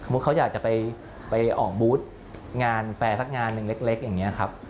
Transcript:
คำพุทธ์เขาจะค่าไปออกบู๊ดงานแฟย์สักงานเล็กอย่างนี้ครับ